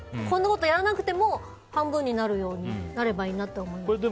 こんなことをやらなくても半分になるようになればいいなと思う。